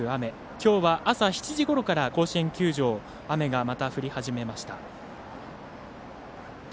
きょうは朝７時ごろから甲子園球場雨がまた降り始めました。